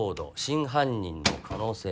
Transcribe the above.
真犯人の可能性。